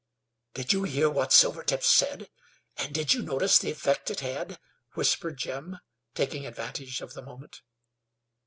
"Did you hear what Silvertip said, and did you notice the effect it had?" whispered Jim, taking advantage of the moment.